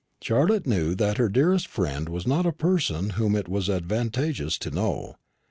Charlotte knew that her dearest friend was not a person whom it was advantageous to know.